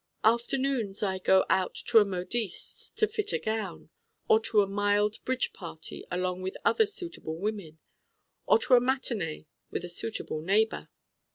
Afternoons I go out to a modiste's to fit a gown, or to a mild bridge party along with other suitable women, or to a matinée with a suitable neighbor.